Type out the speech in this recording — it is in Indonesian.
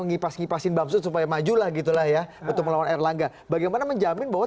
ngipas ngipasin bamsud supaya maju lagi telah ya untuk melawan erlangga bagaimana menjamin bahwa